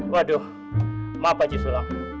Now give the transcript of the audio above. waduh maaf pak haji sulam